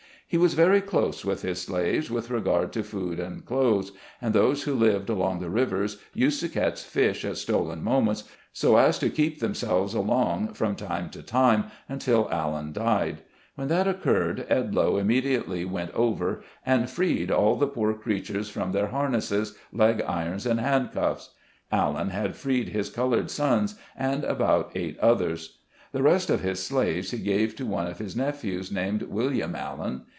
He was very close with his slaves with regard to food and clothes, and those who lived along the rivers used to catch fish at stolen moments, so as to keep themselves along, from time to time, until Allen died. When that occurred, Edloe immedi ately went over, and freed all the poor creatures from their harnesses, leg irons, and handcuffs. Allen had freed his colored sons, and about eight others. The rest of his slaves he gave to one of his nephews, named William Allen.